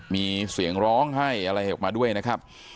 มีเสียงร้องให้อะไรออกมาด้วยนะครับ